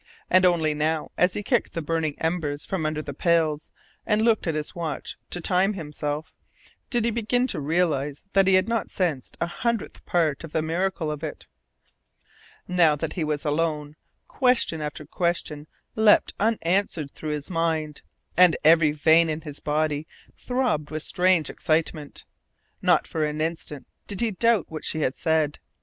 And only now, as he kicked the burning embers from under the pails, and looked at his watch to time himself, did he begin to realize that he had not sensed a hundredth part of the miracle of it. Now that he was alone, question after question leapt unanswered through his mind, and every vein in his body throbbed with strange excitement. Not for an instant did he doubt what she had said.